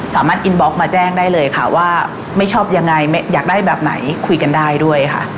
สามารถอินบล็อกมาแจ้งได้เลยค่ะว่าไม่ชอบยังไงอยากได้แบบไหนคุยกันได้ด้วยค่ะ